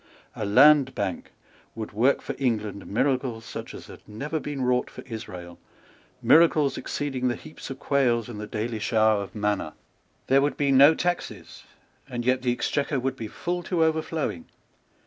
A Land Bank would work for England miracles such as had never been wrought for Israel, miracles exceeding the heaps of quails and the daily shower of manna. There would be no taxes; and yet the Exchequer would be full to overflowing.